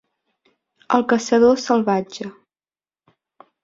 El caçador salvatge.